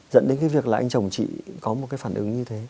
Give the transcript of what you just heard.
dẫn đến cái việc là anh chồng chị có một cái phản ứng như thế